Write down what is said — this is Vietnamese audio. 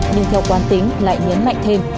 nhưng theo quan tính lại nhấn mạnh thêm